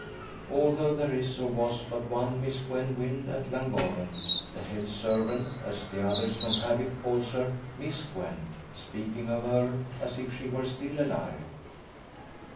Although there is, or was, but one Miss Gwen Wynn at Llangorren, the head servant, as the others, from habit calls her `Miss Gwen,' speaking of her as if she were still alive.